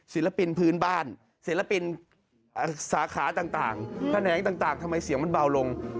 สาขาต่างแขนงต่างทำไมเสียงมันเบาลง